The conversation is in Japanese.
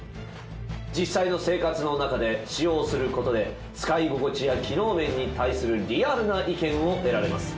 実際の生活の中で使用する事で使い心地や機能面に対するリアルな意見を得られます。